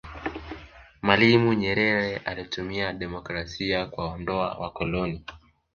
mwalimu nyerere alitumia demokrasia kuwaondoa wakoloni